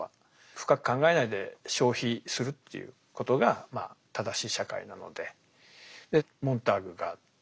深く考えないで消費するっていうことが正しい社会なので。